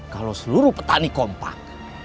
kalau seluruh petani kompak